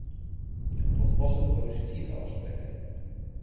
Dat was het positieve aspect.